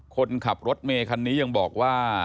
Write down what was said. คนขับรถเมคันนี้ยังบอกว่า